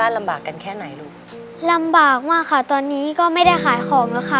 ลำบากมากค่ะตอนนี้ก็ไม่ได้ขายของแล้วค่ะ